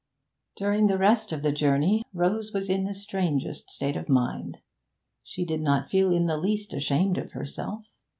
During the rest of the journey Rose was in the strangest state of mind. She did not feel in the least ashamed of herself.